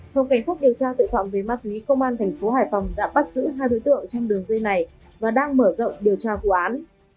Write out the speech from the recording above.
phòng cảnh sát điều tra tội phạm về ma túy công an thành phố hải phòng đã bắt giữ hai đối tượng trong đường dây này và đang mở rộng điều tra vụ án